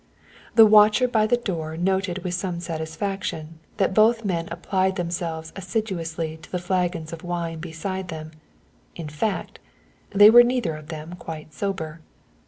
The watcher by the door noted with some satisfaction that both men applied themselves assiduously to the flagons of wine beside them, in fact, they were neither of them quite sober.